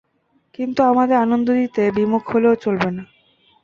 কিন্তু আমাদের আনন্দ দিতে বিমুখ হলেও চলবে না।